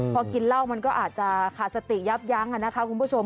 พอกินเหล้ามันก็อาจจะขาดสติยับยั้งนะคะคุณผู้ชม